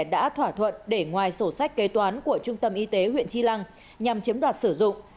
đã thỏa thuận để ngoài sổ sách kế toán của trung tâm y tế huyện chi lăng nhằm chiếm đoạt sử dụng